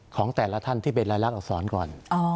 ของแต่ละท่านที่เป็นรายลักษรก่อน